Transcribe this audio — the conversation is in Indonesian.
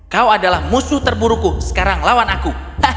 kau adalah musuh terburuku sekarang lawan aku